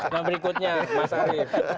nah berikutnya mas arief